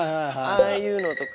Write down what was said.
ああいうのとか。